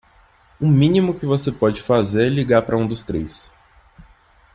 O mínimo que você pode fazer é ligar para um dos três.